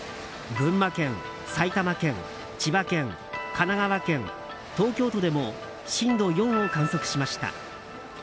群馬県、埼玉県、千葉県神奈川県、東京都でも震度４を観測しました。